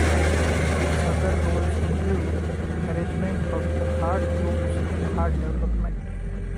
Its other roles include arrangement of the heart loops in heart development.